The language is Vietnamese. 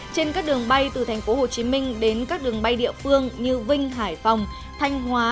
trên các đường bay từ tp hcm đến các đường bay địa phương như vinh hải phòng thanh hóa